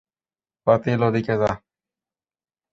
পাতিল, ওদিকে যা।